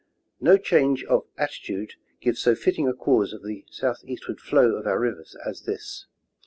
No change of attitude gives so fitting a cause of the southeastward flow of our rivers as this.